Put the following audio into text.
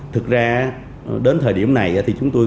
thực ra đến thời điểm này thì chúng tôi